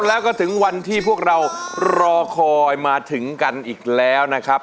แล้วก็ถึงวันที่พวกเรารอคอยมาถึงกันอีกแล้วนะครับ